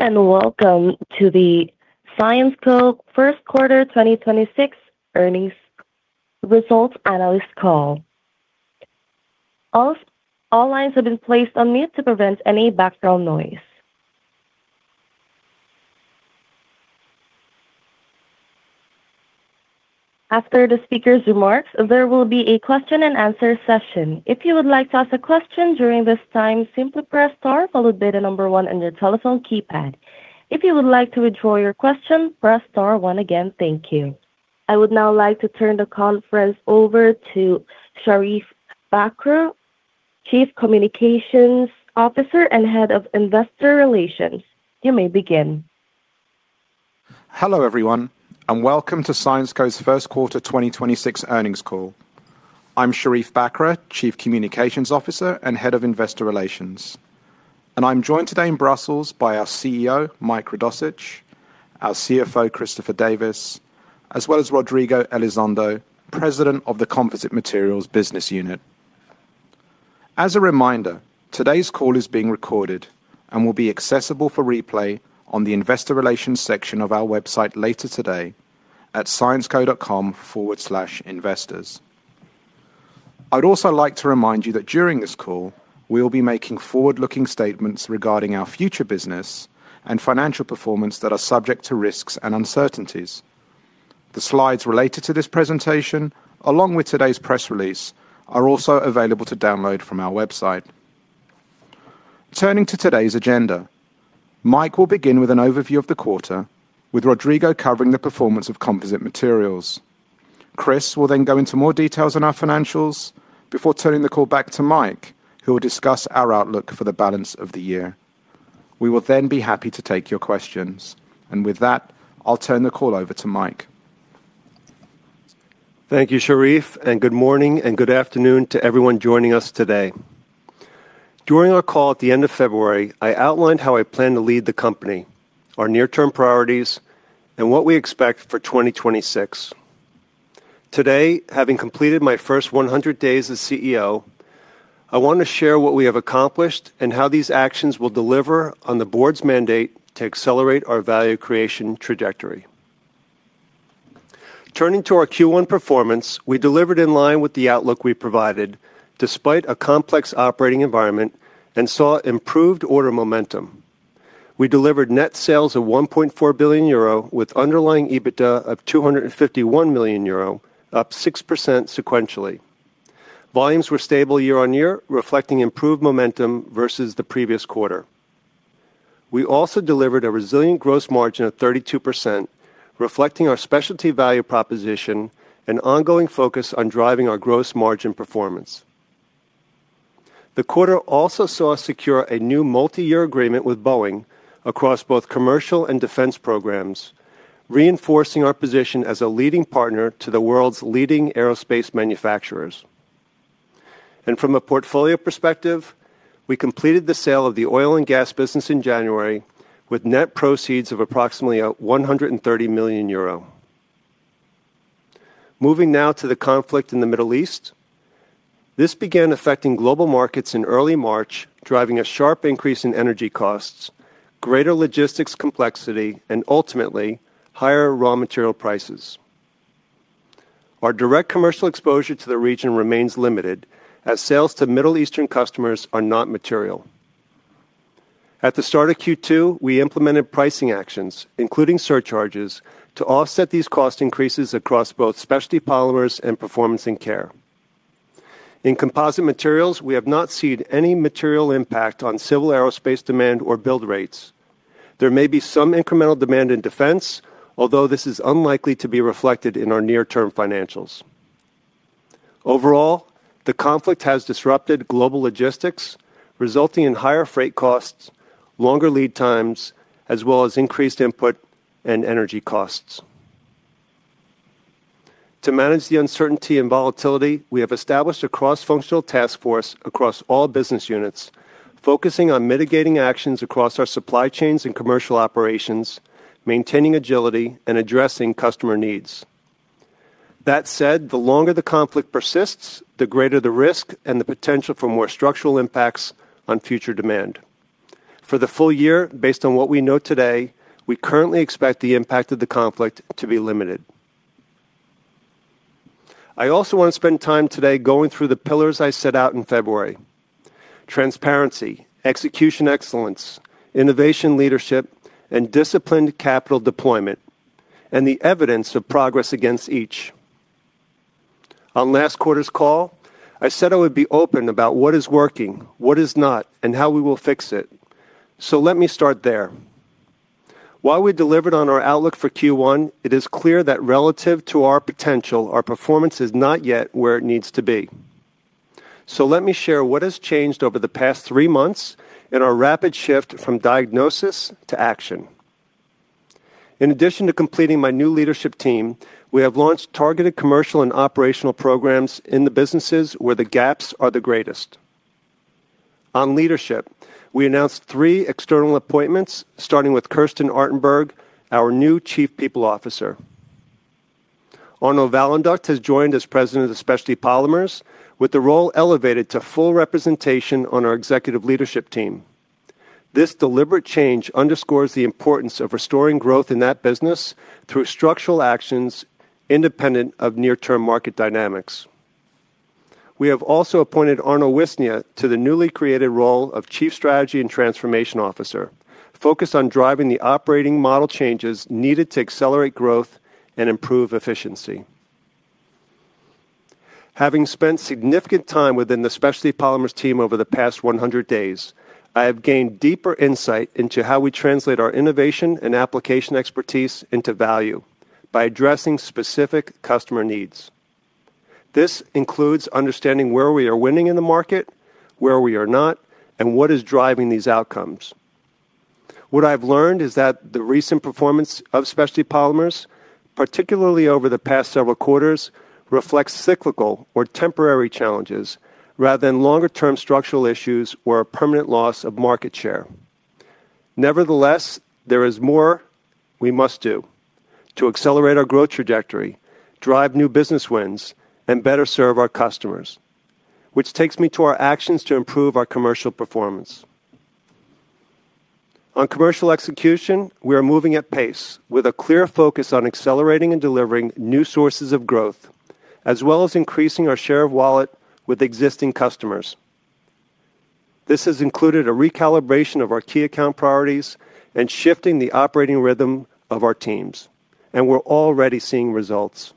Hello and welcome to the Syensqo First Quarter 2026 Earnings Results Analyst Call. All lines have been placed on mute to prevent any background noise. After the speaker's remarks, there will be a question and answer session. If you would like to ask a question during this time, simply press star followed by the number one on your telephone keypad. If you would like to withdraw your question, press star one again. Thank you. I would now like to turn the conference over to Sherief Bakr, Chief Communications Officer and Head of Investor Relations. You may begin. Hello, everyone, and welcome to Syensqo's First Quarter 2026 Earnings Call. I'm Sherief Bakr, Chief Communications Officer and Head of Investor Relations. I'm joined today in Brussels by our CEO, Mike Radossich, our CFO, Christopher Davis, as well as Rodrigo Elizondo, President of the Composite Materials Business Unit. As a reminder, today's call is being recorded and will be accessible for replay on the investor relations section of our website later today at syensqo.com/investors. I would also like to remind you that during this call, we will be making forward-looking statements regarding our future business and financial performance that are subject to risks and uncertainties. The slides related to this presentation, along with today's press release, are also available to download from our website. Turning to today's agenda, Mike will begin with an overview of the quarter, with Rodrigo covering the performance of Composite Materials. Chris will then go into more details on our financials before turning the call back to Mike, who will discuss our outlook for the balance of the year. We will then be happy to take your questions. With that, I'll turn the call over to Mike. Thank you, Sherief, Good morning and good afternoon to everyone joining us today. During our call at the end of February, I outlined how I plan to lead the company, our near-term priorities, and what we expect for 2026. Today, having completed my first 100 days as CEO, I want to share what we have accomplished and how these actions will deliver on the board's mandate to accelerate our value creation trajectory. Turning to our Q1 performance, we delivered in line with the outlook we provided despite a complex operating environment and saw improved order momentum. We delivered net sales of 1.4 billion euro with underlying EBITDA of 251 million euro, up 6% sequentially. Volumes were stable year-on-year, reflecting improved momentum versus the previous quarter. We also delivered a resilient gross margin of 32%, reflecting our specialty value proposition and ongoing focus on driving our gross margin performance. The quarter also saw us secure a new multi-year agreement with Boeing across both commercial and Defense programs, reinforcing our position as a leading partner to the world's leading Aerospace manufacturers. From a portfolio perspective, we completed the sale of the Oil & Gas business in January with net proceeds of approximately 130 million euro. Moving now to the conflict in the Middle East. This began affecting global markets in early March, driving a sharp increase in energy costs, greater logistics complexity, and ultimately higher raw material prices. Our direct commercial exposure to the region remains limited as sales to Middle Eastern customers are not material. At the start of Q2, we implemented pricing actions, including surcharges, to offset these cost increases across both Specialty Polymers and Performance & Care. In Composite Materials, we have not seen any material impact on Civil Aerospace demand or build rates. There may be some incremental demand in Defense, although this is unlikely to be reflected in our near-term financials. Overall, the conflict has disrupted global logistics, resulting in higher freight costs, longer lead times, as well as increased input and energy costs. To manage the uncertainty and volatility, we have established a cross-functional task force across all business units, focusing on mitigating actions across our supply chains and commercial operations, maintaining agility, and addressing customer needs. That said, the longer the conflict persists, the greater the risk and the potential for more structural impacts on future demand. For the full year, based on what we know today, we currently expect the impact of the conflict to be limited. I also want to spend time today going through the pillars I set out in February: transparency, execution excellence, innovation leadership, and disciplined capital deployment, and the evidence of progress against each. On last quarter's call, I said I would be open about what is working, what is not, and how we will fix it. Let me start there. While we delivered on our outlook for Q1, it is clear that relative to our potential, our performance is not yet where it needs to be. Let me share what has changed over the past three months and our rapid shift from diagnosis to action. In addition to completing my new leadership team, we have launched targeted commercial and operational programs in the businesses where the gaps are the greatest. On leadership, we announced three external appointments, starting with Kerstin Artenberg, our new Chief People Officer. Arnaud Valenduc has joined as President of Specialty Polymers, with the role elevated to full representation on our Executive Leadership Team. This deliberate change underscores the importance of restoring growth in that business through structural actions independent of near-term market dynamics. We have also appointed Arnaud Wisnia to the newly created role of Chief Strategy and Transformation Officer, focused on driving the operating model changes needed to accelerate growth and improve efficiency. Having spent significant time within the Specialty Polymers team over the past 100 days, I have gained deeper insight into how we translate our innovation and application expertise into value by addressing specific customer needs. This includes understanding where we are winning in the market, where we are not, and what is driving these outcomes. What I've learned is that the recent performance of Specialty Polymers, particularly over the past several quarters, reflects cyclical or temporary challenges rather than longer-term structural issues or a permanent loss of market share. Nevertheless, there is more we must do to accelerate our growth trajectory, drive new business wins, and better serve our customers, which takes me to our actions to improve our commercial performance. On commercial execution, we are moving at pace with a clear focus on accelerating and delivering new sources of growth, as well as increasing our share of wallet with existing customers. This has included a recalibration of our key account priorities and shifting the operating rhythm of our teams, and we're already seeing results.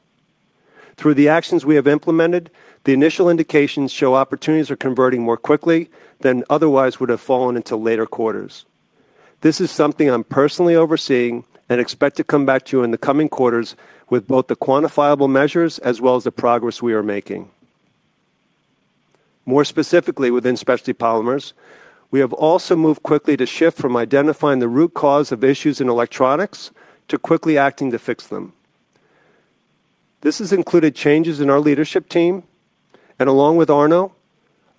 Through the actions we have implemented, the initial indications show opportunities are converting more quickly than otherwise would have fallen until later quarters. This is something I'm personally overseeing and expect to come back to you in the coming quarters with both the quantifiable measures as well as the progress we are making. More specifically, within Specialty Polymers, we have also moved quickly to shift from identifying the root cause of issues in Electronics to quickly acting to fix them. This has included changes in our leadership team, and along with Arnaud,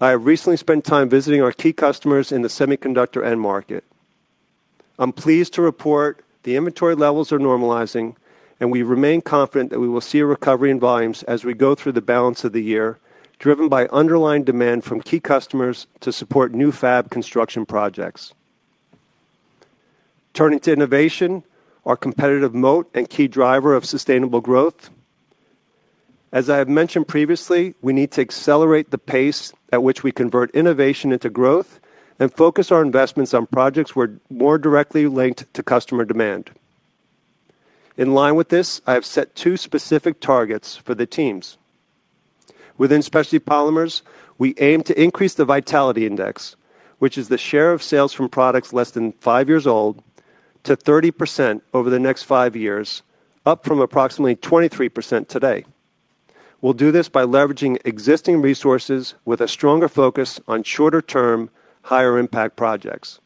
I have recently spent time visiting our key customers in the semiconductor end market. I'm pleased to report the inventory levels are normalizing, and we remain confident that we will see a recovery in volumes as we go through the balance of the year, driven by underlying demand from key customers to support new fab construction projects. Turning to innovation, our competitive moat, and key driver of sustainable growth. As I have mentioned previously, we need to accelerate the pace at which we convert innovation into growth and focus our investments on projects where more directly linked to customer demand. In line with this, I have set two specific targets for the teams. Within Specialty Polymers, we aim to increase the vitality index, which is the share of sales from products less than five years old, to 30% over the next five years, up from approximately 23% today. We'll do this by leveraging existing resources with a stronger focus on shorter-term, higher-impact projects.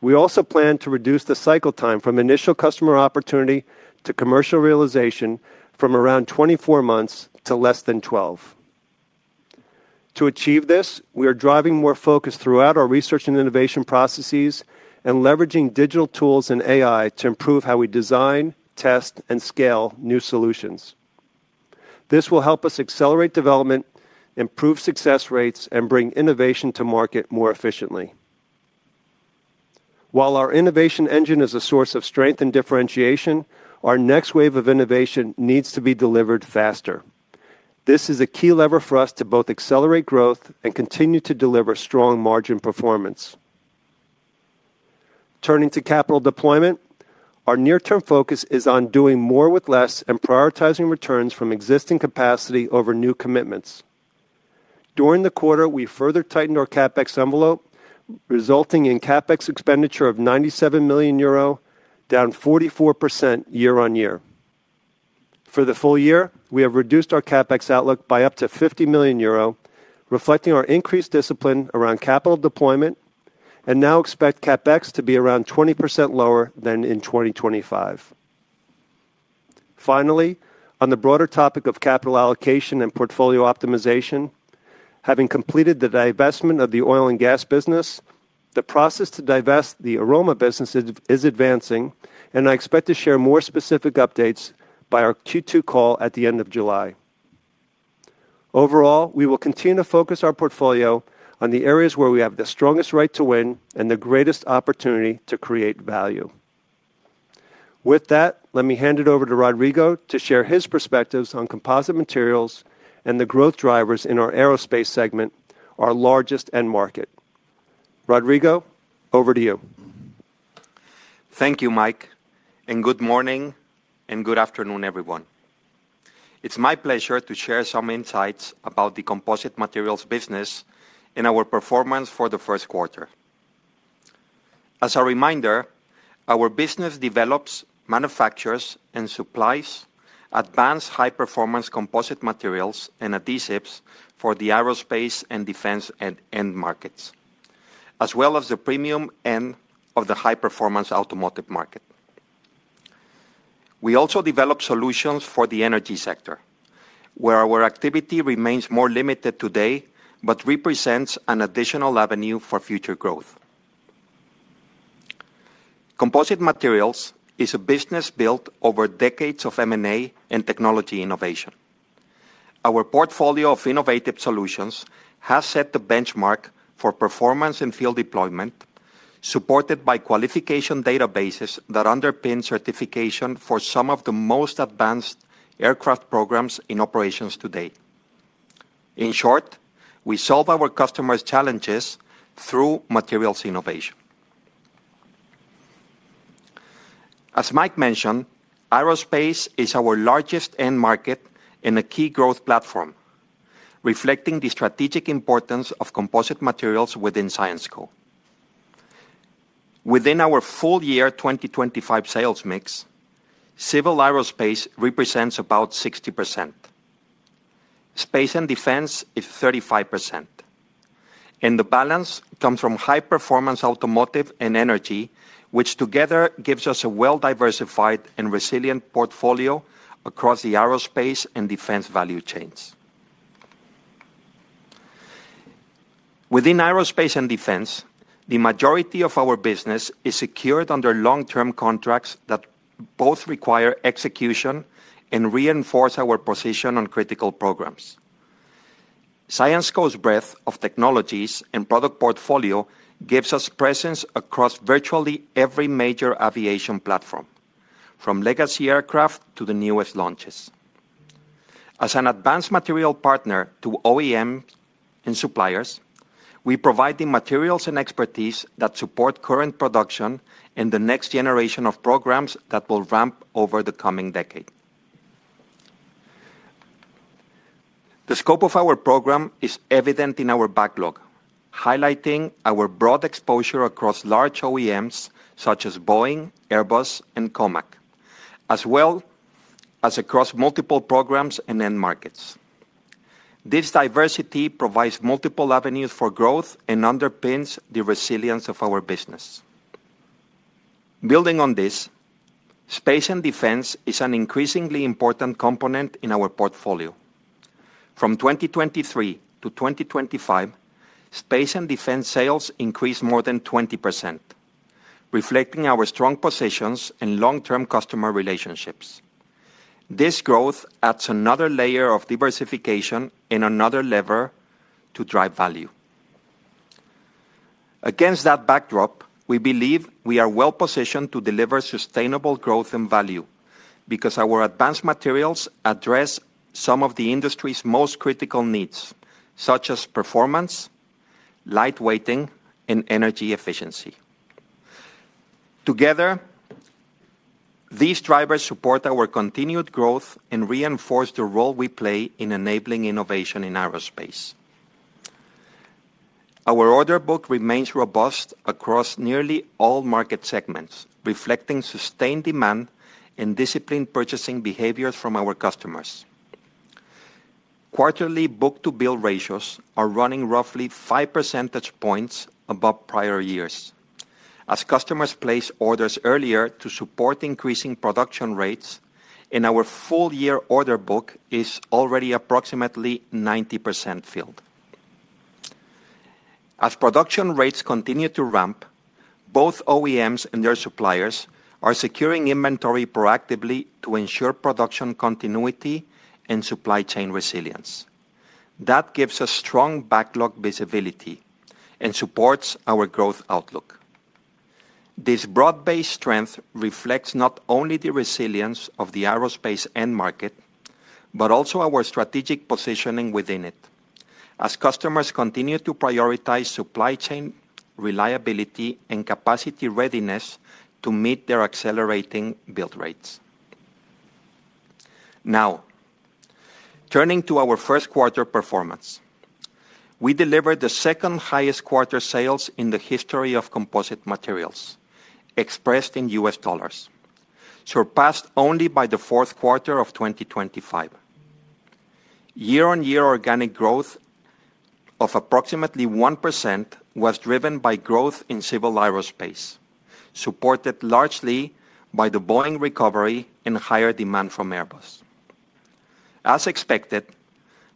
We also plan to reduce the cycle time from initial customer opportunity to commercial realization from around 24 months to less than 12. To achieve this, we are driving more focus throughout our research and innovation processes and leveraging digital tools and AI to improve how we design, test, and scale new solutions. This will help us accelerate development, improve success rates, and bring innovation to market more efficiently. While our innovation engine is a source of strength and differentiation, our next wave of innovation needs to be delivered faster. This is a key lever for us to both accelerate growth and continue to deliver strong margin performance. Turning to capital deployment, our near-term focus is on doing more with less and prioritizing returns from existing capacity over new commitments. During the quarter, we further tightened our CapEx envelope, resulting in CapEx expenditure of 97 million euro, down 44% year-on-year. For the full year, we have reduced our CapEx outlook by up to 50 million euro, reflecting our increased discipline around capital deployment, and now expect CapEx to be around 20% lower than in 2025. Finally, on the broader topic of capital allocation and portfolio optimization, having completed the divestment of the Oil & Gas business, the process to divest the Aroma business is advancing, and I expect to share more specific updates by our Q2 call at the end of July. Overall, we will continue to focus our portfolio on the areas where we have the strongest right to win and the greatest opportunity to create value. Let me hand it over to Rodrigo to share his perspectives on Composite Materials and the growth drivers in our Aerospace segment, our largest end market. Rodrigo, over to you. Thank you, Mike. Good morning and good afternoon, everyone. It's my pleasure to share some insights about the Composite Materials business and our performance for the first quarter. As a reminder, our business develops, manufactures, and supplies advanced high-performance composite materials and adhesives for the Aerospace and Defense end markets, as well as the premium end of the high-performance Automotive market. We also develop solutions for the energy sector, where our activity remains more limited today but represents an additional avenue for future growth. Composite Materials is a business built over decades of M&A and technology innovation. Our portfolio of innovative solutions has set the benchmark for performance and field deployment, supported by qualification databases that underpin certification for some of the most advanced aircraft programs in operations today. In short, we solve our customers' challenges through materials innovation. As Mike mentioned, Aerospace is our largest end market and a key growth platform, reflecting the strategic importance of Composite Materials within Syensqo. Within our full year 2025 sales mix, Civil Aerospace represents about 60%. Space and Defense is 35%, the balance comes from high performance Automotive and energy, which together gives us a well-diversified and resilient portfolio across the Aerospace and Defense value chains. Within Aerospace and Defense, the majority of our business is secured under long-term contracts that both require execution and reinforce our position on critical programs. Syensqo's breadth of technologies and product portfolio gives us presence across virtually every major aviation platform, from legacy aircraft to the newest launches. As an advanced material partner to OEM and suppliers, we provide the materials and expertise that support current production in the next generation of programs that will ramp over the coming decade. The scope of our program is evident in our backlog, highlighting our broad exposure across large OEMs such as Boeing, Airbus, and COMAC, as well as across multiple programs and end markets. This diversity provides multiple avenues for growth and underpins the resilience of our business. Building on this, Space and Defense is an increasingly important component in our portfolio. From 2023 to 2025, Space and Defense sales increased more than 20%, reflecting our strong positions and long-term customer relationships. This growth adds another layer of diversification and another lever to drive value. Against that backdrop, we believe we are well-positioned to deliver sustainable growth and value because our advanced materials address some of the industry's most critical needs, such as performance, lightweighting, and energy efficiency. Together, these drivers support our continued growth and reinforce the role we play in enabling innovation in Aerospace. Our order book remains robust across nearly all market segments, reflecting sustained demand and disciplined purchasing behaviors from our customers. Quarterly book-to-bill ratios are running roughly 5 percentage points above prior years as customers place orders earlier to support increasing production rates, and our full year order book is already approximately 90% filled. As production rates continue to ramp, both OEMs and their suppliers are securing inventory proactively to ensure production continuity and supply chain resilience. That gives us strong backlog visibility and supports our growth outlook. This broad-based strength reflects not only the resilience of the Aerospace end market, but also our strategic positioning within it as customers continue to prioritize supply chain reliability and capacity readiness to meet their accelerating build rates. Now, turning to our first quarter performance. We delivered the second highest quarter sales in the history of Composite Materials expressed in US dollars, surpassed only by the fourth quarter of 2025. Year-on-year organic growth of approximately 1% was driven by growth in Civil Aerospace, supported largely by the Boeing recovery and higher demand from Airbus. As expected,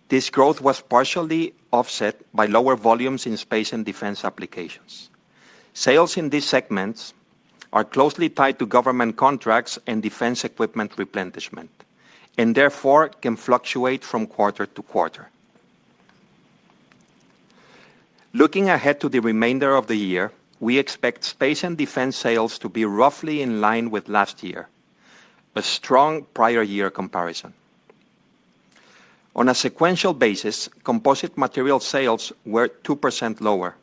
this growth was partially offset by lower volumes in Space and Defense applications. Sales in these segments are closely tied to government contracts and defense equipment replenishment, and therefore can fluctuate from quarter to quarter. Looking ahead to the remainder of the year, we expect Space and Defense sales to be roughly in line with last year, a strong prior year comparison. On a sequential basis, Composite Materials sales were 2% lower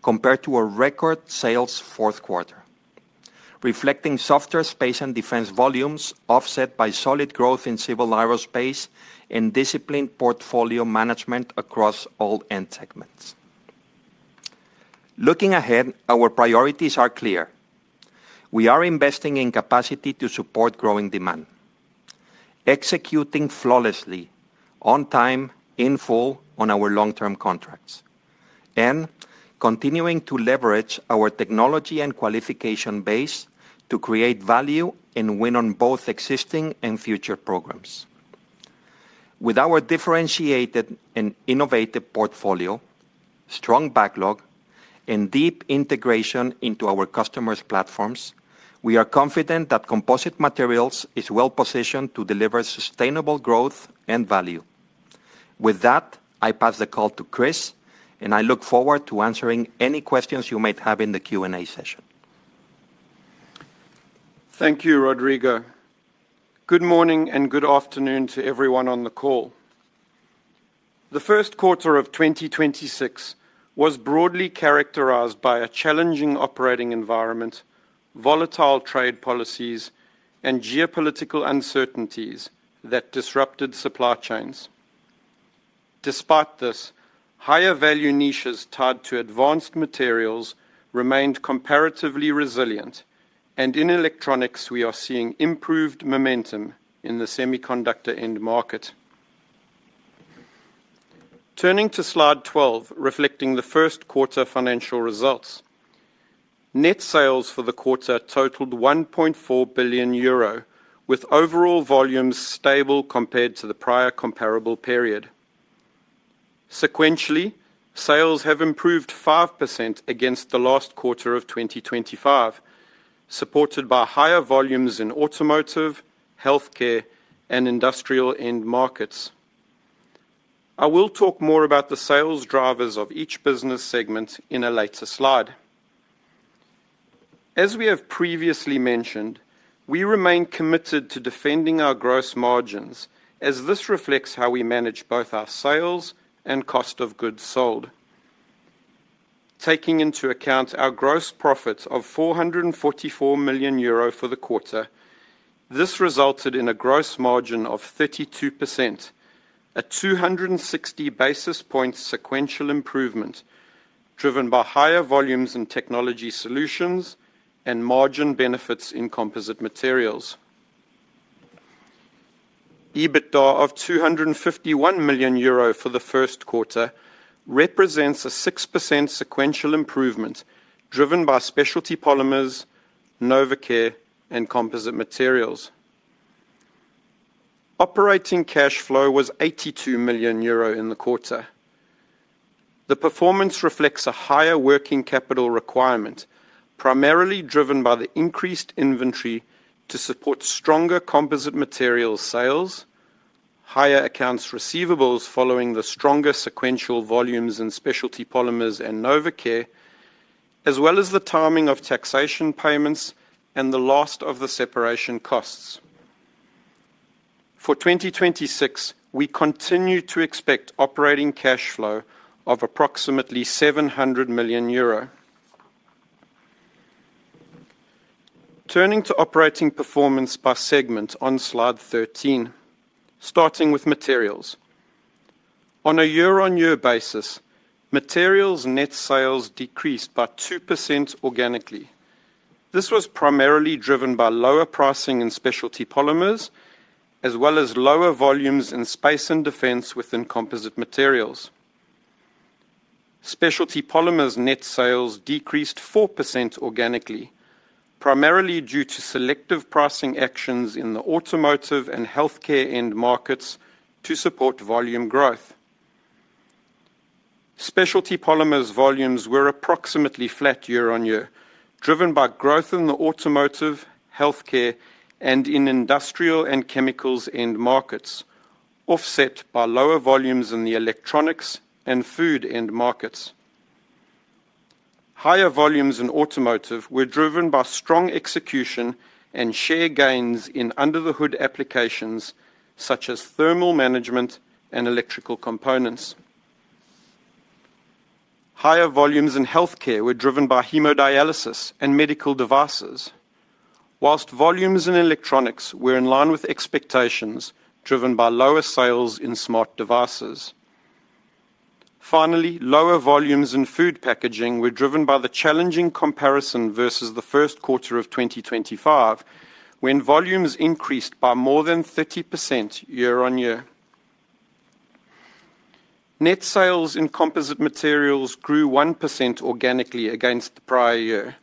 compared to a record sales fourth quarter, reflecting softer Space and Defense volumes offset by solid growth in Civil Aerospace and disciplined portfolio management across all end segments. Looking ahead, our priorities are clear. We are investing in capacity to support growing demand, executing flawlessly on time, in full on our long-term contracts, and continuing to leverage our technology and qualification base to create value and win on both existing and future programs. With our differentiated and innovative portfolio, strong backlog, and deep integration into our customers' platforms, we are confident that Composite Materials is well positioned to deliver sustainable growth and value. With that, I pass the call to Chris, and I look forward to answering any questions you might have in the Q&A session. Thank you, Rodrigo. Good morning and good afternoon to everyone on the call. The first quarter of 2026 was broadly characterized by a challenging operating environment, volatile trade policies, and geopolitical uncertainties that disrupted supply chains. Despite this, higher value niches tied to advanced materials remained comparatively resilient, and in Electronics, we are seeing improved momentum in the semiconductor end market. Turning to Slide 12, reflecting the first quarter financial results. Net sales for the quarter totaled 1.4 billion euro, with overall volumes stable compared to the prior comparable period. Sequentially, sales have improved 5% against the last quarter of 2025, supported by higher volumes in Automotive, Healthcare, and Industrial end markets. I will talk more about the sales drivers of each business segment in a later slide. As we have previously mentioned, we remain committed to defending our gross margins as this reflects how we manage both our sales and cost of goods sold. Taking into account our gross profit of 444 million euro for the quarter, this resulted in a gross margin of 32%, a 260 basis point sequential improvement driven by higher volumes in Technology Solutions and margin benefits in Composite Materials. EBITDA of 251 million euro for the first quarter represents a 6% sequential improvement driven by Specialty Polymers, Novecare, and Composite Materials. Operating cash flow was 82 million euro in the quarter. The performance reflects a higher working capital requirement, primarily driven by the increased inventory to support stronger Composite Materials sales, higher accounts receivables following the stronger sequential volumes in Specialty Polymers and Novecare, as well as the timing of taxation payments and the last of the separation costs. For 2026, we continue to expect operating cash flow of approximately 700 million euro. Turning to operating performance by segment on Slide 13, starting with Materials. On a year-on-year basis, Materials net sales decreased by 2% organically. This was primarily driven by lower pricing in Specialty Polymers, as well as lower volumes in Space and Defense within Composite Materials. Specialty Polymers net sales decreased 4% organically, primarily due to selective pricing actions in the Automotive and Healthcare end markets to support volume growth. Specialty Polymers volumes were approximately flat year-on-year, driven by growth in the Automotive, Healthcare, and in Industrial and Chemicals end markets, offset by lower volumes in the Electronics and food end markets. Higher volumes in Automotive were driven by strong execution and share gains in under-the-hood applications such as thermal management and electrical components. Higher volumes in healthcare were driven by hemodialysis and medical devices. Whilst volumes in Electronics were in line with expectations driven by lower sales in smart devices. Finally, lower volumes in food packaging were driven by the challenging comparison versus the first quarter of 2025, when volumes increased by more than 30% year-on-year. Net sales in Composite Materials grew 1% organically against the prior year.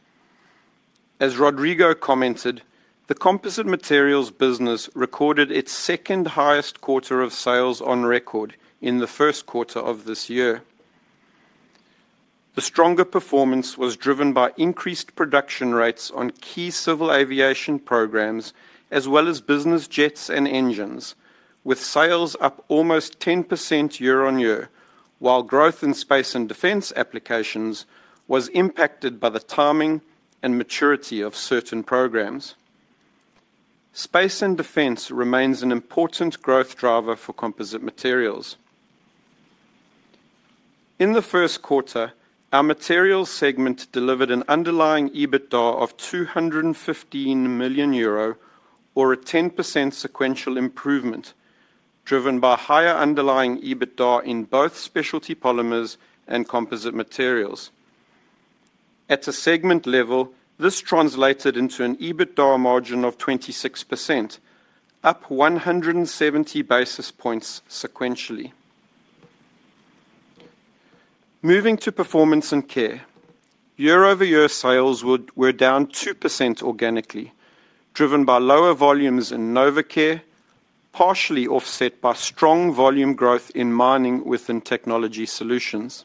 As Rodrigo commented, the Composite Materials business recorded its second highest quarter of sales on record in the first quarter of this year. The stronger performance was driven by increased production rates on key civil aviation programs as well as business jets and engines, with sales up almost 10% year-on-year, while growth in Space and Defense applications was impacted by the timing and maturity of certain programs. Space and Defense remains an important growth driver for Composite Materials. In the first quarter, our Materials segment delivered an underlying EBITDA of 215 million euro or a 10% sequential improvement driven by higher underlying EBITDA in both Specialty Polymers and Composite Materials. At a segment level, this translated into an EBITDA margin of 26%, up 170 basis points sequentially. Moving to Performance & Care, year-over-year sales were down 2% organically, driven by lower volumes in Novecare, partially offset by strong volume growth in mining within Technology Solutions.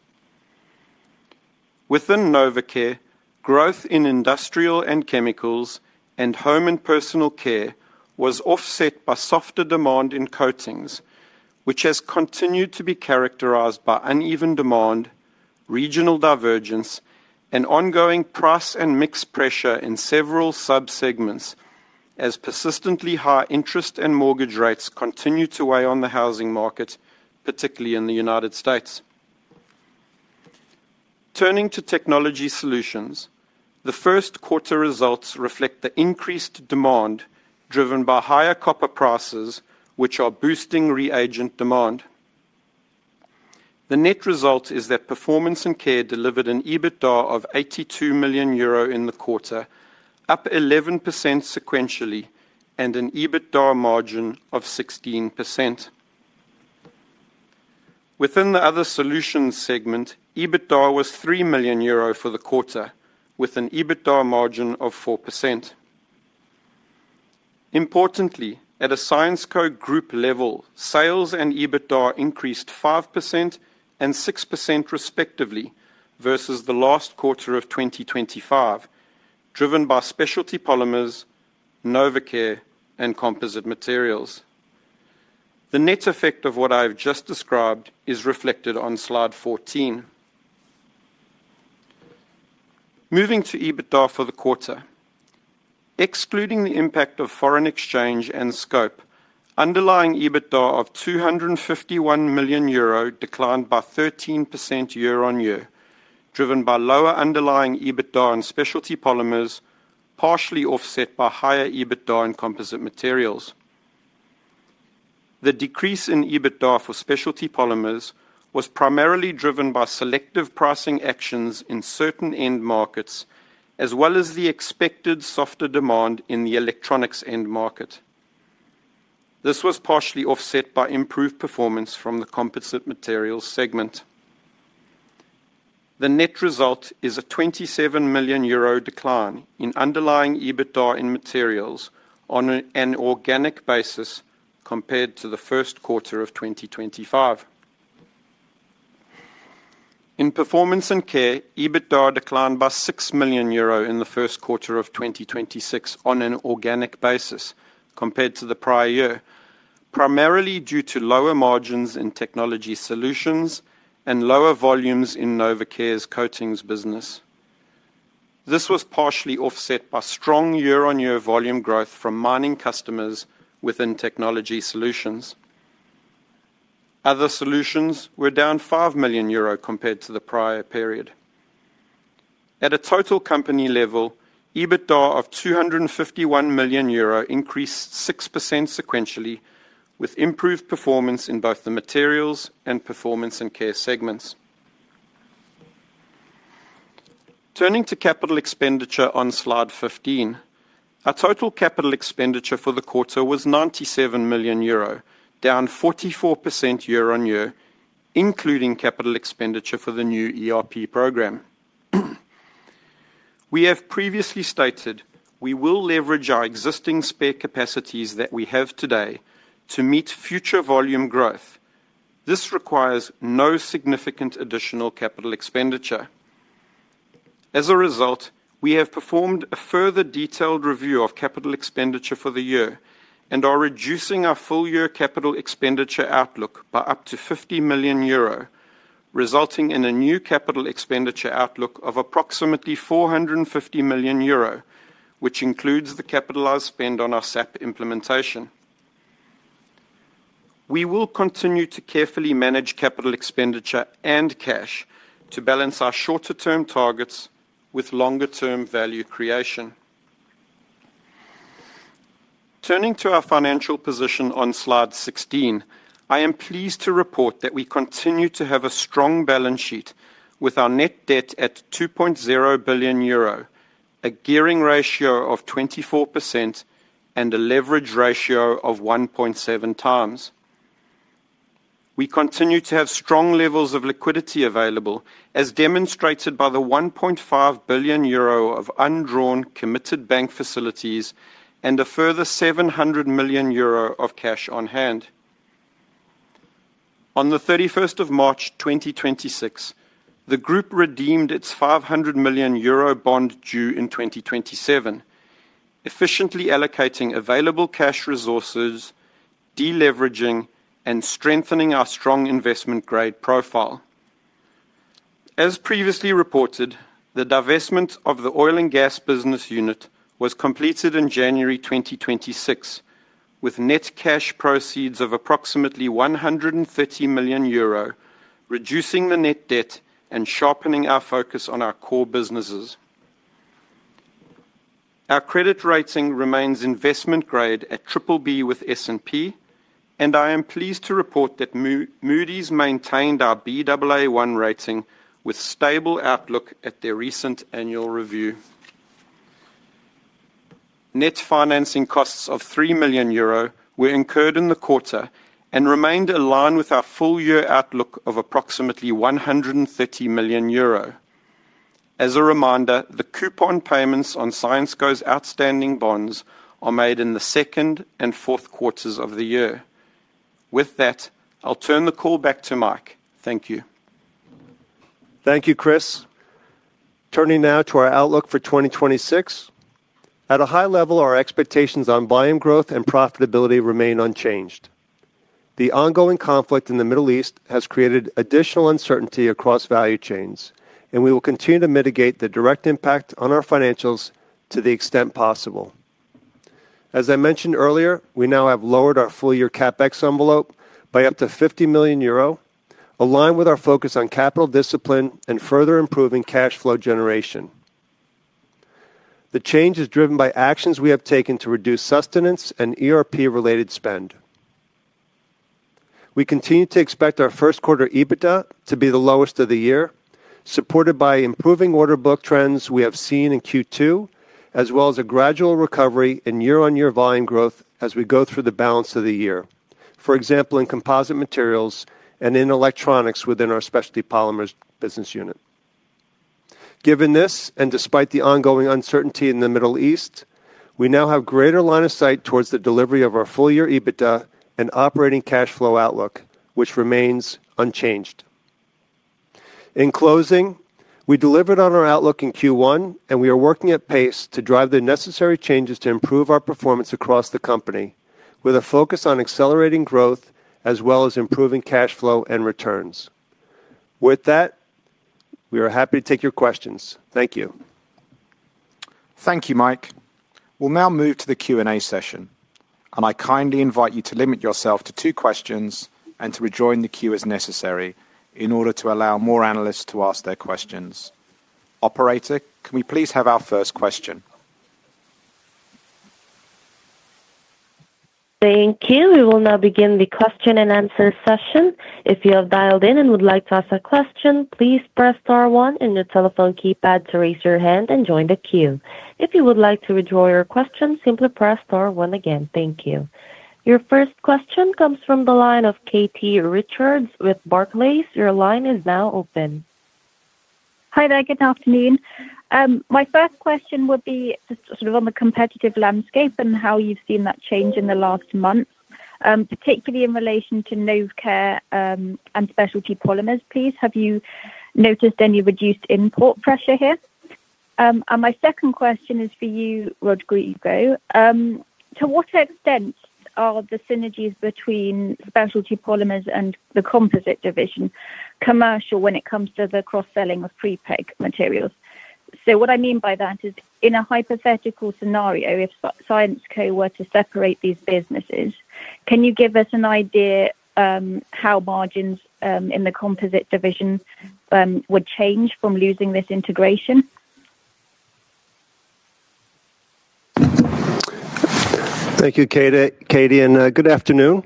Within Novecare, growth in Industrial and Chemicals and Home & Personal Care was offset by softer demand in coatings, which has continued to be characterized by uneven demand, regional divergence, and ongoing price and mix pressure in several sub-segments as persistently high interest and mortgage rates continue to weigh on the housing market, particularly in the U.S. Turning to Technology Solutions, the first quarter results reflect the increased demand driven by higher copper prices, which are boosting reagent demand. The net result is that Performance & Care delivered an EBITDA of 82 million euro in the quarter, up 11% sequentially and an EBITDA margin of 16%. Within the Other Solutions segment, EBITDA was 3 million euro for the quarter, with an EBITDA margin of 4%. Importantly, at a Syensqo group level, sales and EBITDA increased 5% and 6% respectively versus the last quarter of 2025, driven by Specialty Polymers, Novecare, and Composite Materials. The net effect of what I have just described is reflected on slide 14. Moving to EBITDA for the quarter. Excluding the impact of foreign exchange and scope, underlying EBITDA of 251 million euro declined by 13% year-on-year, driven by lower underlying EBITDA in Specialty Polymers, partially offset by higher EBITDA in Composite Materials. The decrease in EBITDA for Specialty Polymers was primarily driven by selective pricing actions in certain end markets as well as the expected softer demand in the Electronics end market. This was partially offset by improved performance from the Composite Materials segment. The net result is a 27 million euro decline in underlying EBITDA in Materials on an organic basis compared to the first quarter of 2025. In Performance & Care, EBITDA declined by 6 million euro in the first quarter of 2026 on an organic basis compared to the prior year, primarily due to lower margins in Technology Solutions and lower volumes in Novecare's Coatings business. This was partially offset by strong year-on-year volume growth from mining customers within Technology Solutions. Other Solutions were down 5 million euro compared to the prior period. At a total company level, EBITDA of 251 million euro increased 6% sequentially with improved performance in both the Materials and Performance & Care segments. Turning to capital expenditure on slide 15. Our total capital expenditure for the quarter was 97 million euro, down 44% year-on-year, including capital expenditure for the new ERP program. We have previously stated we will leverage our existing spare capacities that we have today to meet future volume growth. This requires no significant additional capital expenditure. As a result, we have performed a further detailed review of capital expenditure for the year and are reducing our full year capital expenditure outlook by up to 50 million euro, resulting in a new capital expenditure outlook of approximately 450 million euro, which includes the capitalized spend on our SAP implementation. We will continue to carefully manage capital expenditure and cash to balance our shorter term targets with longer term value creation. Turning to our financial position on slide 16. I am pleased to report that we continue to have a strong balance sheet with our net debt at 2.0 billion euro, a gearing ratio of 24%, and a leverage ratio of 1.7x. We continue to have strong levels of liquidity available as demonstrated by the 1.5 billion euro of undrawn committed bank facilities and a further 700 million euro of cash on hand. On March 31, 2026, the group redeemed its 500 million euro bond due in 2027, efficiently allocating available cash resources, de-leveraging, and strengthening our strong investment grade profile. As previously reported, the divestment of the Oil & Gas business unit was completed in January 2026, with net cash proceeds of approximately 130 million euro, reducing the net debt and sharpening our focus on our core businesses. Our credit rating remains investment grade at BBB with S&P, and I am pleased to report that Moody's maintained our Baa1 rating with stable outlook at their recent annual review. Net financing costs of 3 million euro were incurred in the quarter and remained in line with our full year outlook of approximately 130 million euro. As a reminder, the coupon payments on Syensqo's outstanding bonds are made in the second and fourth quarters of the year. With that, I'll turn the call back to Mike. Thank you. Thank you, Chris. Turning now to our outlook for 2026. At a high level, our expectations on volume growth and profitability remain unchanged. The ongoing conflict in the Middle East has created additional uncertainty across value chains. We will continue to mitigate the direct impact on our financials to the extent possible. As I mentioned earlier, we now have lowered our full year CapEx envelope by up to 50 million euro, aligned with our focus on capital discipline and further improving cash flow generation. The change is driven by actions we have taken to reduce sustenance and ERP-related spend. We continue to expect our first quarter EBITDA to be the lowest of the year, supported by improving order book trends we have seen in Q2, as well as a gradual recovery in year-on-year volume growth as we go through the balance of the year. For example, in Composite Materials and in Electronics within our Specialty Polymers business unit. Given this, and despite the ongoing uncertainty in the Middle East, we now have greater line of sight towards the delivery of our full-year EBITDA and operating cash flow outlook, which remains unchanged. In closing, we delivered on our outlook in Q1, and we are working at pace to drive the necessary changes to improve our performance across the company, with a focus on accelerating growth as well as improving cash flow and returns. With that, we are happy to take your questions. Thank you. Thank you, Mike. I kindly invite you to limit yourself to two questions and to rejoin the queue as necessary in order to allow more analysts to ask their questions. Operator, can we please have our first question? Thank you. We will now begin the question and answer session. Thank you. Your first question comes from the line of Katie Richards with Barclays. Your line is now open. Hi there. Good afternoon. My first question would be just sort of on the competitive landscape and how you've seen that change in the last month, particularly in relation to Novecare and Specialty Polymers, please. Have you noticed any reduced import pressure here? My second question is for you, Rodrigo. To what extent are the synergies between Specialty Polymers and the Composite Materials division commercial when it comes to the cross-selling of prepreg materials? What I mean by that is, in a hypothetical scenario, if Syensqo were to separate these businesses, can you give us an idea how margins in the Composite Materials division would change from losing this integration? Thank you, Katie, good afternoon.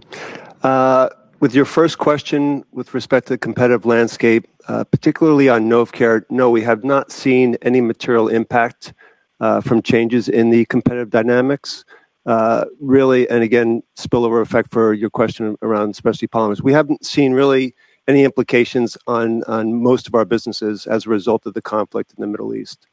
With your first question with respect to the competitive landscape, particularly on Novecare, no, we have not seen any material impact from changes in the competitive dynamics. Really, again, spillover effect for your question around Specialty Polymers. We haven't seen really any implications on most of our businesses as a result of the conflict in the Middle East.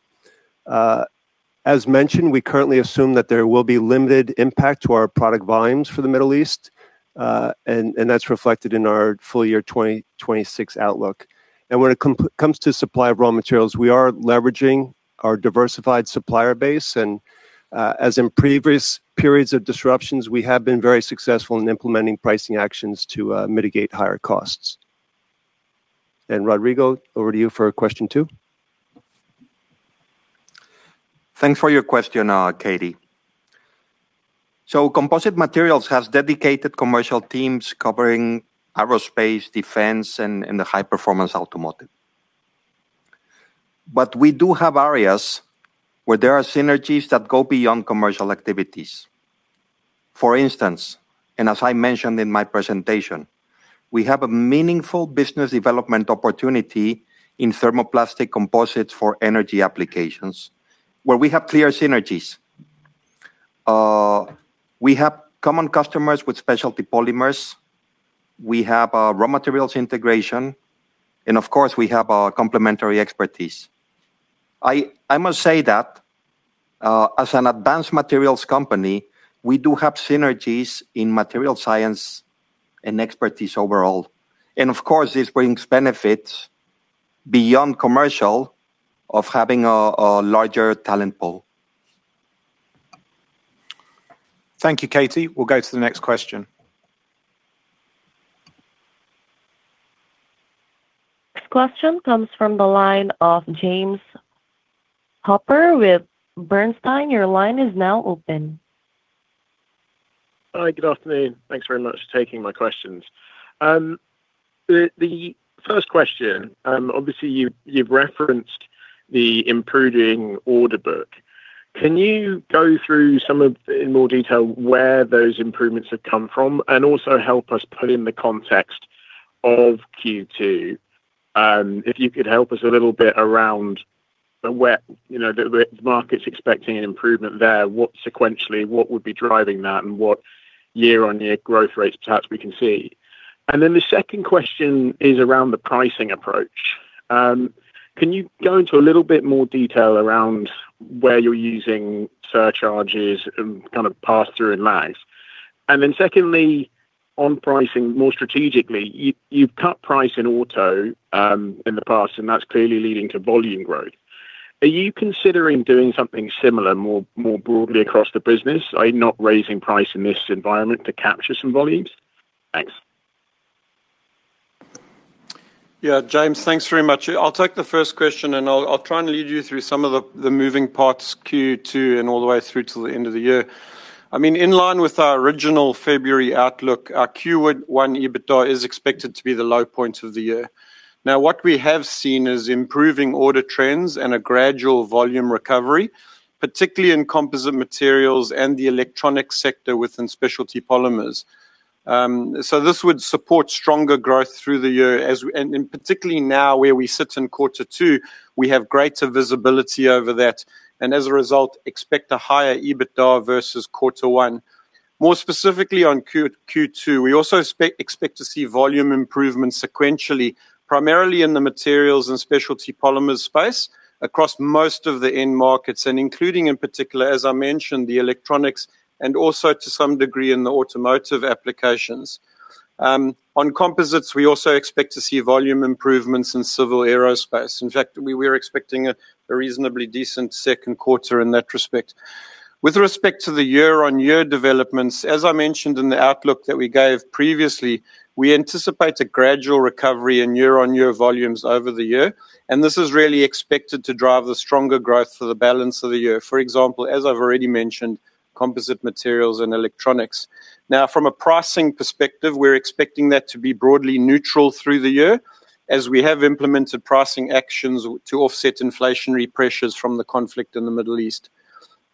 As mentioned, we currently assume that there will be limited impact to our product volumes for the Middle East, and that's reflected in our full year 2026 outlook. When it comes to supply of raw materials, we are leveraging our diversified supplier base, as in previous periods of disruptions, we have been very successful in implementing pricing actions to mitigate higher costs. Rodrigo, over to you for question two. Thanks for your question, Katie. Composite Materials has dedicated commercial teams covering Aerospace, Defense, and the high-performance Automotive. We do have areas where there are synergies that go beyond commercial activities. For instance, and as I mentioned in my presentation, we have a meaningful business development opportunity in thermoplastic composites for energy applications where we have clear synergies. We have common customers with Specialty Polymers. We have our raw materials integration and of course we have our complementary expertise. I must say that as an advanced materials company, we do have synergies in material science and expertise overall. Of course this brings benefits beyond commercial of having a larger talent pool. Thank you, Katie. We'll go to the next question. This question comes from the line of James Hooper with Bernstein. Your line is now open. Hi, good afternoon. Thanks very much for taking my questions. The first question, obviously you've referenced the improving order book. Can you go through some of, in more detail, where those improvements have come from? Also help us put in the context of Q2, if you could help us a little bit around where, you know, the market's expecting an improvement there, what sequentially would be driving that and what year-on-year growth rates perhaps we can see? Then the second question is around the pricing approach. Can you go into a little bit more detail around where you're using surcharges and kind of pass-through and lags? Then secondly, on pricing more strategically, you've cut price in Auto in the past, and that's clearly leading to volume growth. Are you considering doing something similar more broadly across the business by not raising price in this environment to capture some volumes? Thanks. Yeah. James, thanks very much. I'll take the first question. I'll try and lead you through some of the moving parts Q2 and all the way through to the end of the year. I mean, in line with our original February outlook, our Q1 EBITDA is expected to be the low point of the year. Now, what we have seen is improving order trends and a gradual volume recovery, particularly in Composite Materials and the Electronics sector within Specialty Polymers. This would support stronger growth through the year and particularly now where we sit in quarter two, we have greater visibility over that, and as a result, expect a higher EBITDA versus quarter one. More specifically on Q2, we also expect to see volume improvements sequentially, primarily in the Materials and Specialty Polymers space across most of the end markets and including in particular, as I mentioned, the Electronics and also to some degree in the Automotive applications. On Composites, we also expect to see volume improvements in Civil Aerospace. In fact, we're expecting a reasonably decent second quarter in that respect. With respect to the year-on-year developments, as I mentioned in the outlook that we gave previously, we anticipate a gradual recovery in year-on-year volumes over the year. This is really expected to drive the stronger growth for the balance of the year. For example, as I've already mentioned, Composite Materials and Electronics. Now, from a pricing perspective, we're expecting that to be broadly neutral through the year, as we have implemented pricing actions to offset inflationary pressures from the conflict in the Middle East.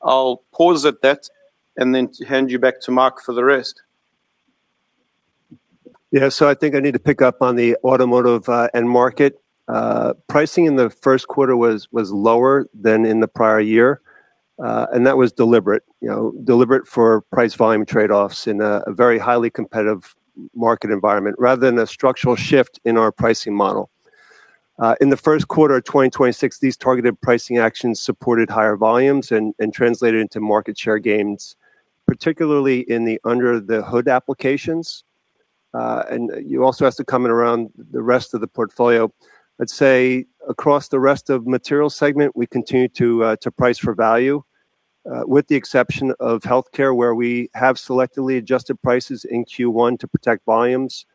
I'll pause at that and then hand you back to Mike for the rest. I think I need to pick up on the Automotive end market. Pricing in the first quarter was lower than in the prior year, and that was deliberate, you know, deliberate for price volume trade-offs in a very highly competitive market environment rather than a structural shift in our pricing model. In the first quarter of 2026, these targeted pricing actions supported higher volumes and translated into market share gains, particularly in the under-the-hood applications. You also asked a comment around the rest of the portfolio. Let's say across the rest of Materials segment, we continue to price for value, with the exception of Healthcare where we have selectively adjusted prices in Q1 to protect volumes.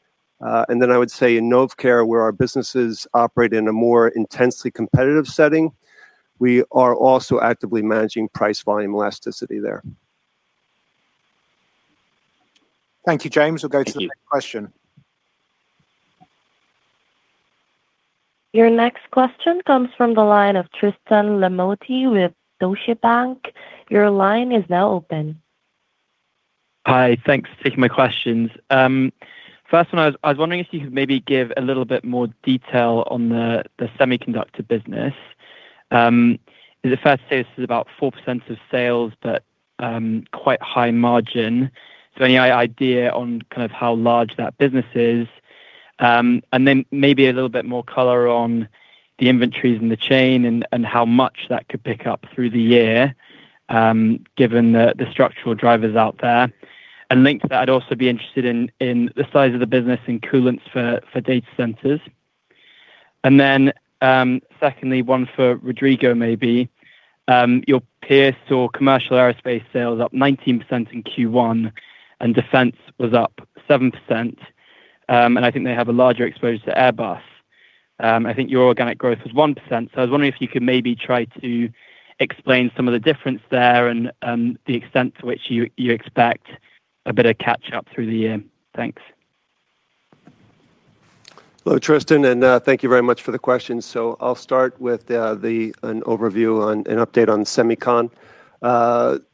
I would say in Novecare, where our businesses operate in a more intensely competitive setting, we are also actively managing price volume elasticity there. Thank you, James. Thank you. We'll go to the next question. Your next question comes from the line of Tristan Lamotte with Deutsche Bank. Your line is now open. Hi. Thanks for taking my questions. First one, I was wondering if you could maybe give a little bit more detail on the semiconductor business. As I first say, this is about 4% of sales, but quite high margin. Any idea on kind of how large that business is? Maybe a little bit more color on the inventories in the chain and how much that could pick up through the year, given the structural drivers out there. Linked to that, I'd also be interested in the size of the business in coolants for data centers. Secondly, one for Rodrigo maybe. Your peers saw commercial Aerospace sales up 19% in Q1 and Defense was up 7%, and I think they have a larger exposure to Airbus. I think your organic growth was 1%, I was wondering if you could maybe try to explain some of the difference there and the extent to which you expect a better catch-up through the year. Thanks. Hello, Tristan, and thank you very much for the question. I'll start with an overview on an update on semicon.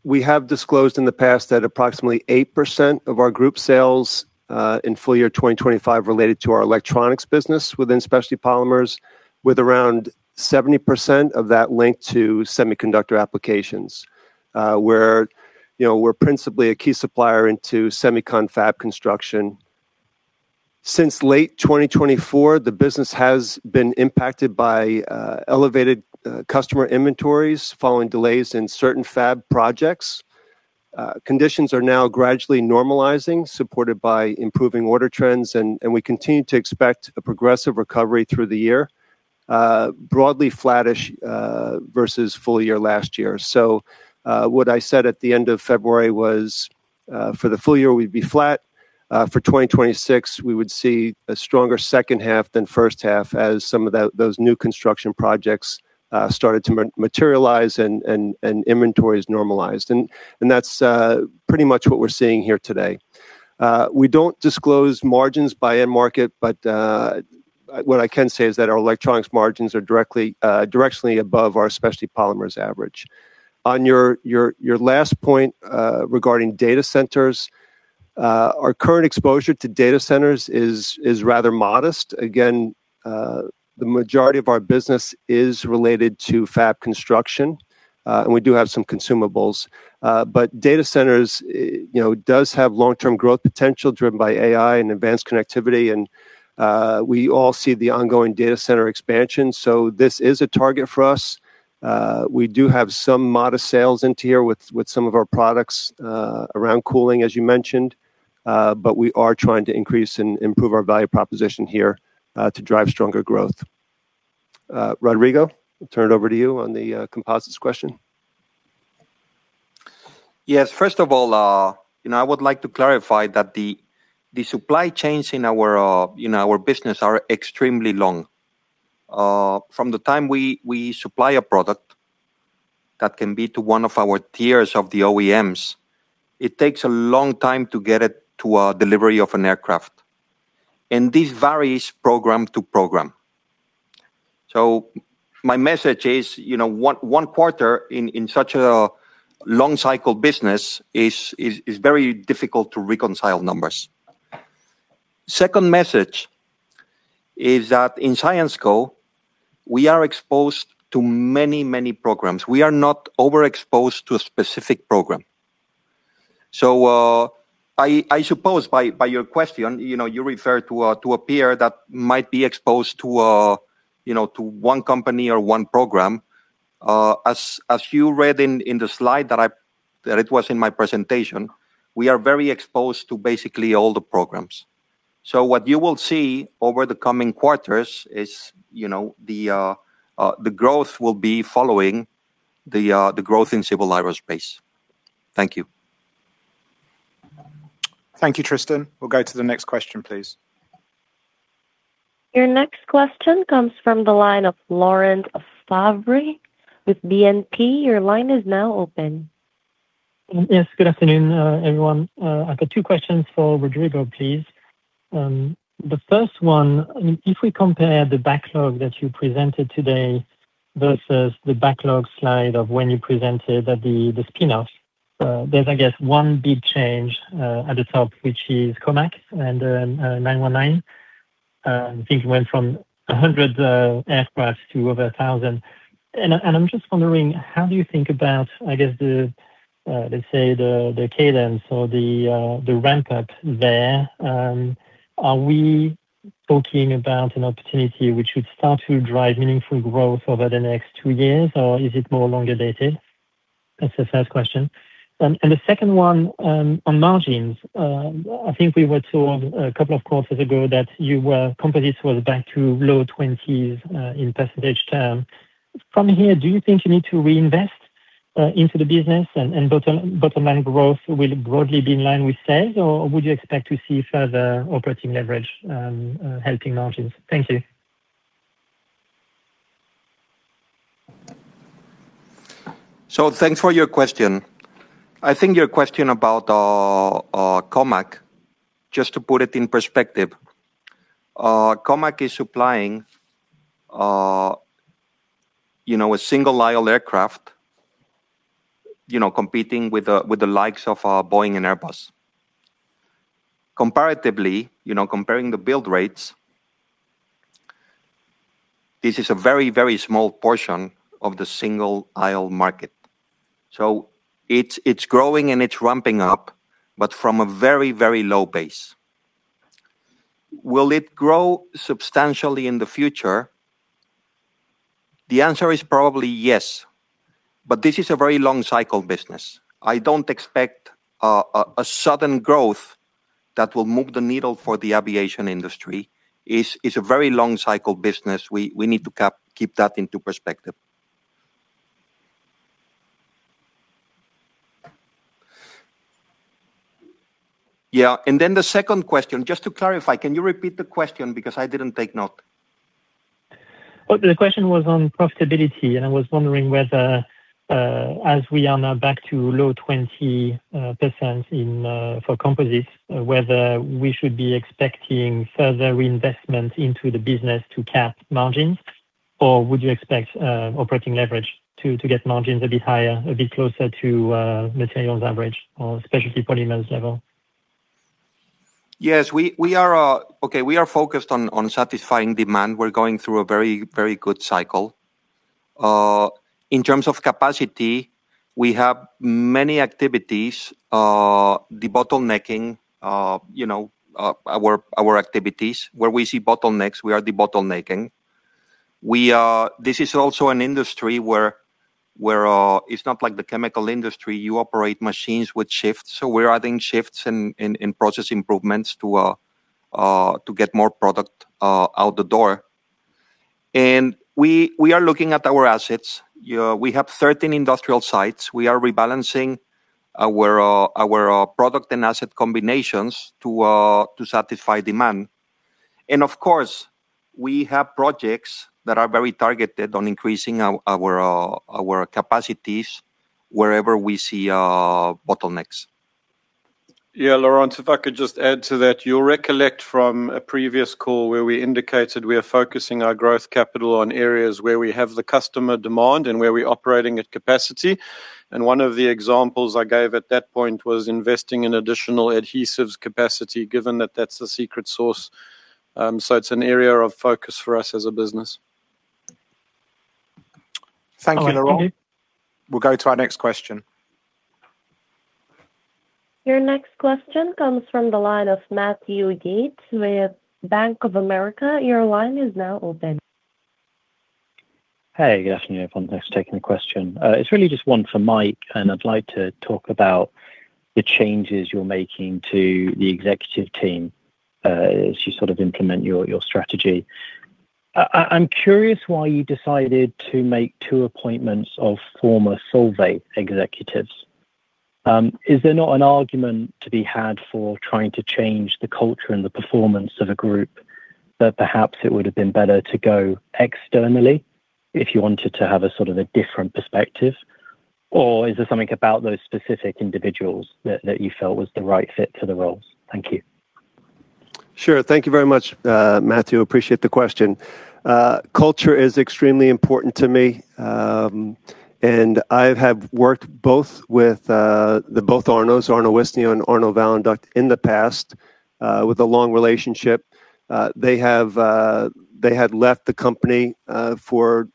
We have disclosed in the past that approximately 8% of our group sales in full year 2025 related to our Electronics business within Specialty Polymers with around 70% of that linked to semiconductor applications. We're, you know, we're principally a key supplier into semicon fab construction. Since late 2024, the business has been impacted by elevated customer inventories following delays in certain fab projects. Conditions are now gradually normalizing, supported by improving order trends and we continue to expect a progressive recovery through the year, broadly flattish versus full year last year. What I said at the end of February was for the full year we'd be flat. For 2026, we would see a stronger second half than first half as some of those new construction projects started to materialize and inventories normalized. That's pretty much what we're seeing here today. We don't disclose margins by end market, but what I can say is that our Electronics margins are directly directionally above our Specialty Polymers average. On your last point, regarding data centers. Our current exposure to data centers is rather modest. Again, the majority of our business is related to fab construction, and we do have some consumables. Data centers, you know, does have long-term growth potential driven by AI and advanced connectivity and we all see the ongoing data center expansion. This is a target for us. We do have some modest sales into here with some of our products, around cooling, as you mentioned. We are trying to increase and improve our value proposition here, to drive stronger growth. Rodrigo, I will turn it over to you on the composites question. Yes. First of all, you know, I would like to clarify that the supply chains in our business are extremely long. From the time we supply a product that can be to one of our tiers of the OEMs, it takes a long time to get it to a delivery of an aircraft, and this varies program to program. My message is, you know, one quarter in such a long cycle business is very difficult to reconcile numbers. Second message is that in Syensqo, we are exposed to many, many programs. We are not overexposed to a specific program. I suppose by your question, you know, you refer to a peer that might be exposed to a, you know, to one company or one program. As you read in the slide that it was in my presentation, we are very exposed to basically all the programs. What you will see over the coming quarters is, you know, the growth will be following the growth in Civil Aerospace. Thank you. Thank you, Tristan. We'll go to the next question, please. Your next question comes from the line of Laurent Favre with BNP. Your line is now open. Yes. Good afternoon, everyone. I've got two questions for Rodrigo, please. The first one, if we compare the backlog that you presented today versus the backlog slide of when you presented at the spin-offs, there's, I guess one big change at the top, which is COMAC and C919. I think it went from 100 aircraft to over 1,000. I'm just wondering, how do you think about, I guess the, let's say the cadence or the ramp up there. Are we talking about an opportunity which would start to drive meaningful growth over the next two years, or is it more longer dated? That's the first question. The second one, on margins. I think we were told two quarters ago that you were composites was back to low 20s in percentage term. From here, do you think you need to reinvest into the business and bottom line growth will broadly be in line with sales? Or would you expect to see further operating leverage helping margins? Thank you. Thanks for your question. I think your question about COMAC, just to put it in perspective, COMAC is supplying, you know, a single aisle aircraft, you know, competing with the likes of Boeing and Airbus. Comparatively, you know, comparing the build rates, this is a very, very small portion of the single aisle market. It's, it's growing and it's ramping up, but from a very, very low base. Will it grow substantially in the future? The answer is probably yes, but this is a very long cycle business. I don't expect a sudden growth that will move the needle for the aviation industry. It's, it's a very long cycle business. We need to keep that into perspective. Yeah. The second question, just to clarify, can you repeat the question because I didn't take note. The question was on profitability. I was wondering whether, as we are now back to low 20% in, for Composites, whether we should be expecting further reinvestment into the business to cap margins, or would you expect operating leverage to get margins a bit higher, a bit closer to Materials average or Specialty Polymers level? Yes. We are focused on satisfying demand. We're going through a very good cycle. In terms of capacity, we have many activities. Debottlenecking, you know, our activities. Where we see bottlenecks, we are debottlenecking. This is also an industry where it's not like the chemical industry. You operate machines with shifts, so we're adding shifts and process improvements to get more product out the door. We are looking at our assets. We have 13 industrial sites. We are rebalancing our product and asset combinations to satisfy demand. Of course, we have projects that are very targeted on increasing our capacities wherever we see bottlenecks. Yeah, Laurent, if I could just add to that. You'll recollect from a previous call where we indicated we are focusing our growth capital on areas where we have the customer demand and where we're operating at capacity. One of the examples I gave at that point was investing in additional adhesives capacity, given that that's the secret sauce. It's an area of focus for us as a business. Thank you, Laurent. We'll go to our next question. Your next question comes from the line of Matthew Yates with Bank of America. Your line is now open. Hey, good afternoon, everyone. Thanks for taking the question. It's really just one for Mike, and I'd like to talk about the changes you're making to the executive team as you sort of implement your strategy. I'm curious why you decided to make two appointments of former Solvay executives. Is there not an argument to be had for trying to change the culture and the performance of a group that perhaps it would have been better to go externally if you wanted to have a sort of a different perspective? Is there something about those specific individuals that you felt was the right fit for the roles? Thank you. Sure. Thank you very much, Matthew. Appreciate the question. Culture is extremely important to me, and I've had worked both with the both Arnauds, Arnaud Wisnia and Arnaud Valenduc in the past, with a long relationship. They have, they had left the company for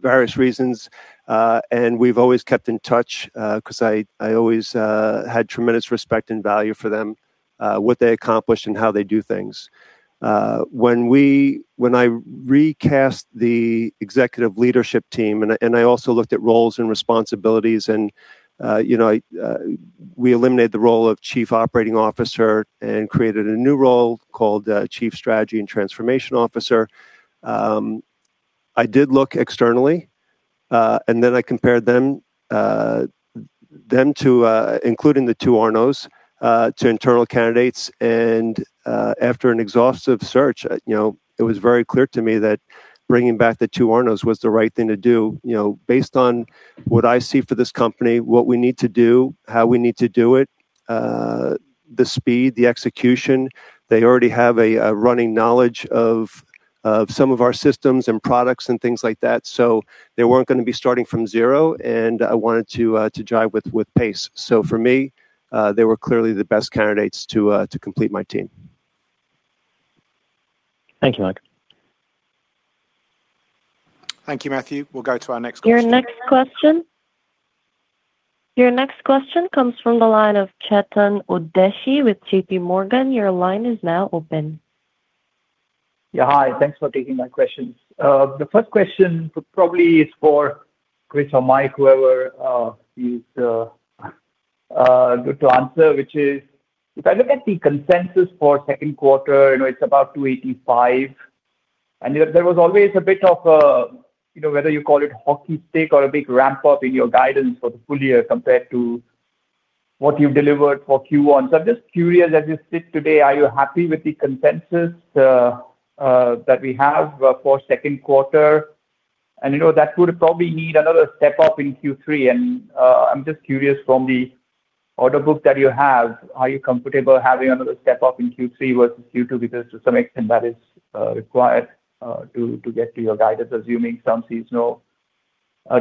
various reasons, and we've always kept in touch, 'cause I always had tremendous respect and value for them, what they accomplished and how they do things. When I recast the executive leadership team and I also looked at roles and responsibilities and, you know, we eliminated the role of Chief Operating Officer and created a new role called Chief Strategy and Transformation Officer. I did look externally, then I compared them to, including the two Arnauds, to internal candidates. After an exhaustive search, you know, it was very clear to me that bringing back the two Arnauds was the right thing to do. You know, based on what I see for this company, what we need to do, how we need to do it, the speed, the execution. They already have a running knowledge of some of our systems and products and things like that. They weren't gonna be starting from zero, and I wanted to drive with pace. For me, they were clearly the best candidates to complete my team. Thank you, Mike. Thank you, Matthew. We'll go to our next question. Your next question comes from the line of Chetan Udeshi with JPMorgan. Your line is now open. Yeah. Hi, thanks for taking my questions. The first question probably is for Chris or Mike, whoever is good to answer, which is, if I look at the consensus for second quarter, you know, it's about 285. There was always a bit of a, you know, whether you call it hockey stick or a big ramp-up in your guidance for the full year compared to what you've delivered for Q1. I'm just curious, as you sit today, are you happy with the consensus that we have for second quarter? That would probably need another step up in Q3. I'm just curious from the order book that you have, are you comfortable having another step up in Q3 versus Q2 because to some extent that is required to get to your guidance, assuming some seasonal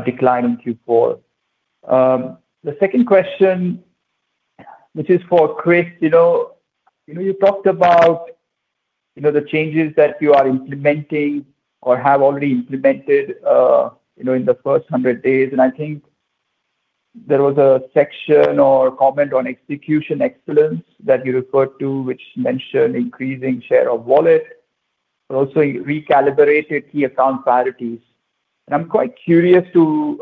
decline in Q4. The second question, which is for Chris. You know, you talked about, you know, the changes that you are implementing or have already implemented, you know, in the first 100 days. I think there was a section or comment on execution excellence that you referred to, which mentioned increasing share of wallet, but also recalibrated key account priorities. I'm quite curious to,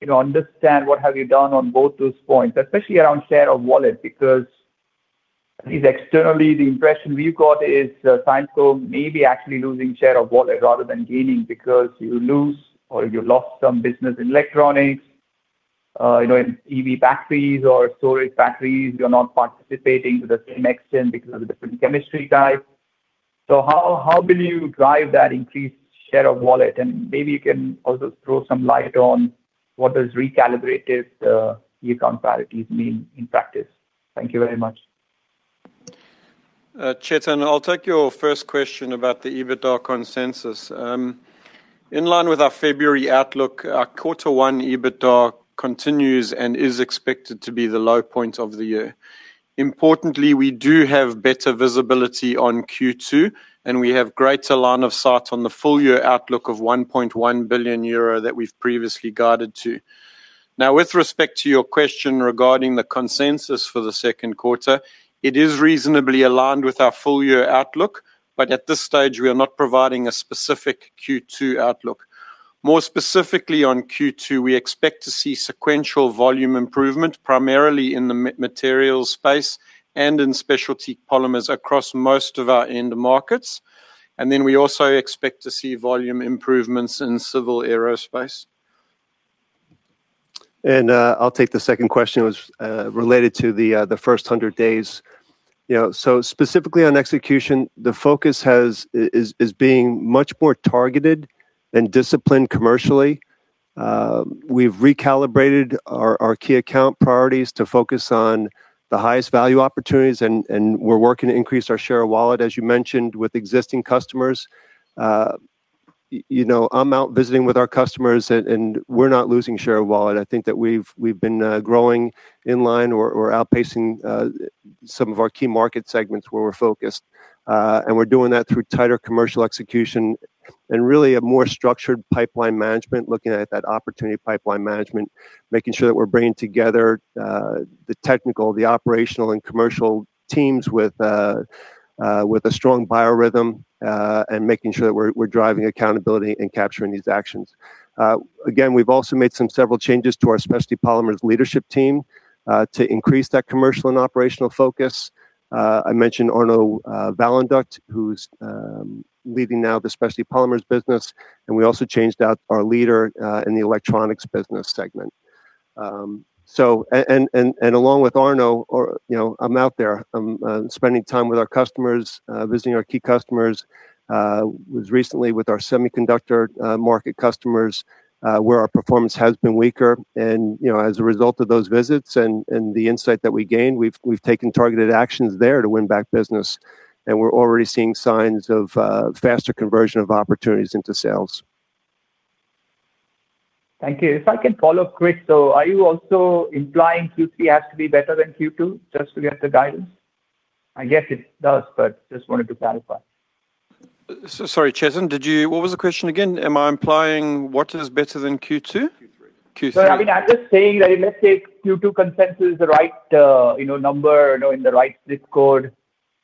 you know, understand what have you done on both those points, especially around share of wallet, because at least externally, the impression we've got is, Syensqo may be actually losing share of wallet rather than gaining because you lose or you lost some business in Electronics, you know, in EV batteries or storage batteries. You're not participating to the same extent because of the different chemistry type. How will you drive that increased share of wallet? Maybe you can also throw some light on what does recalibrated key account priorities mean in practice. Thank you very much. Chetan, I'll take your first question about the EBITDA consensus. In line with our February outlook, our quarter one EBITDA continues and is expected to be the low point of the year. Importantly, we do have better visibility on Q2, and we have greater line of sight on the full year outlook of 1.1 billion euro that we've previously guided to. With respect to your question regarding the consensus for the second quarter, it is reasonably aligned with our full year outlook, but at this stage we are not providing a specific Q2 outlook. More specifically on Q2, we expect to see sequential volume improvement primarily in the Materials space and in Specialty Polymers across most of our end markets. We also expect to see volume improvements in Civil Aerospace. I'll take the second question was related to the first hundred days. You know, specifically on execution, the focus is being much more targeted and disciplined commercially. We've recalibrated our key account priorities to focus on the highest value opportunities and we're working to increase our share of wallet, as you mentioned, with existing customers. You know, I'm out visiting with our customers and we're not losing share of wallet. I think that we've been growing in line or outpacing some of our key market segments where we're focused. We're doing that through tighter commercial execution and really a more structured pipeline management, looking at that opportunity pipeline management, making sure that we're bringing together the technical, the operational and commercial teams with a strong biorhythm and making sure that we're driving accountability and capturing these actions. Again, we've also made some several changes to our Specialty Polymers leadership team to increase that commercial and operational focus. I mentioned Arnaud Valenduc, who's leading now the Specialty Polymers business, and we also changed out our leader in the Electronics business segment. Along with Arnaud or you know, I'm out there spending time with our customers, visiting our key customers. Was recently with our semiconductor market customers, where our performance has been weaker and, you know, as a result of those visits and the insight that we gained, we've taken targeted actions there to win back business, and we're already seeing signs of faster conversion of opportunities into sales. Thank you. If I can follow Chris, are you also implying Q3 has to be better than Q2 just to get the guidance? I guess it does, just wanted to clarify. Sorry, Chetan, what was the question again? Am I implying what is better than Q2? Q3. I mean, I'm just saying that if let's say Q2 consensus is the right, you know, number, you know, in the right zip code,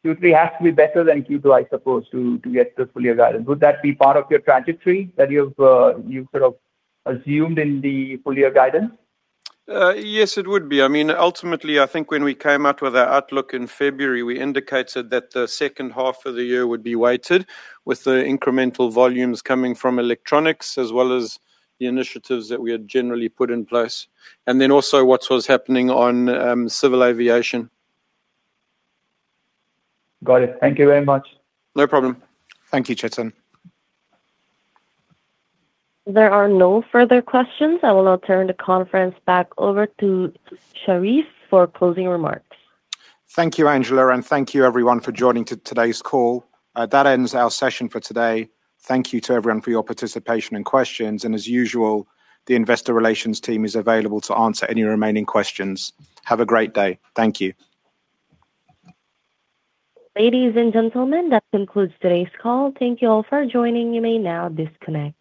Q3 has to be better than Q2, I suppose, to get the full year guidance. Would that be part of your trajectory that you've, you sort of assumed in the full year guidance? Yes, it would be. I mean, ultimately, I think when we came out with our outlook in February, we indicated that the second half of the year would be weighted with the incremental volumes coming from Electronics as well as the initiatives that we had generally put in place. Also what was happening on civil aviation. Got it. Thank you very much. No problem. Thank you, Chetan. There are no further questions. I will now turn the conference back over to Sherief for closing remarks. Thank you, Angela, and thank you everyone for joining today's call. That ends our session for today. Thank you to everyone for your participation and questions. As usual, the investor relations team is available to answer any remaining questions. Have a great day. Thank you. Ladies and gentlemen, that concludes today's call. Thank you all for joining. You may now disconnect.